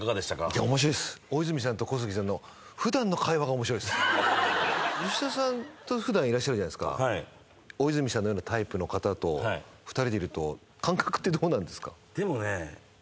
いや面白いです大泉さんと小杉さんの吉田さんと普段いらっしゃるじゃないですかはい大泉さんのようなタイプの方と２人でいると感覚ってどうなんですか？